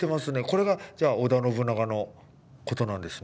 これがじゃあ織田信長のことなんですね。